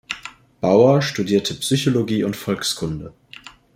Bauer studierte Psychologie und Volkskunde.